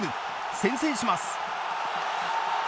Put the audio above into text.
先制します。